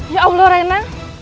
ya allah rena